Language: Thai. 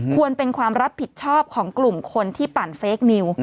ควรเป็นความรับผิดชอบของกลุ่มคนที่ปั่นเฟคนิว